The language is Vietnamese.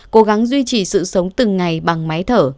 cố gắng duy trì sự sống từng ngày bằng máy thở